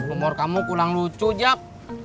umur kamu kurang lucu jak